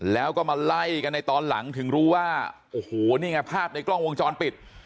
แล้วก็มาไล่กันในตอนหลังถึงรู้ว่าโอ้โหนี่ไงภาพในกล้องวงจรปิด